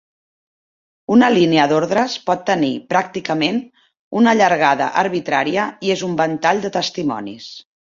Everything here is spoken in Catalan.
Una línia d'ordres pot tenir pràcticament una llargada arbitraria i és un ventall de testimonis.